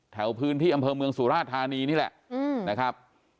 แถวพื้นที่อำเภอเมืองสุราธานีนี่แหละนะครับ